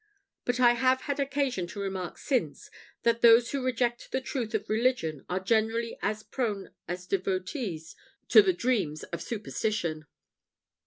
But I have had occasion to remark since, that those who reject the truth of religion are generally as prone as devotees to the dreams of superstition.